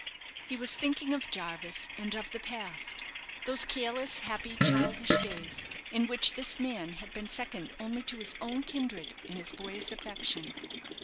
He was thinking of Jarvis and of the past those careless, happy, childish days, in which this man had been second only to his own kindred in his boyish affection.